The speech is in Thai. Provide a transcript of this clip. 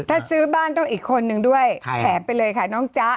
ถ้าซื้อบ้านต้องอีกคนนึงด้วยแถมไปเลยค่ะน้องจ๊ะ